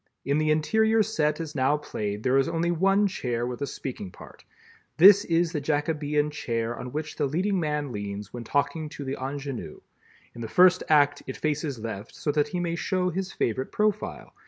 In the interior set as now played there is only one chair with a speaking part—this is, the Jacobean chair on which the leading man leans when talking to the ingénue. In the first act, it faces left so that he may show his favorite profile.